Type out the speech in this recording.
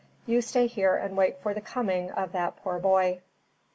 You stay here and wait for the coming of that poor boy."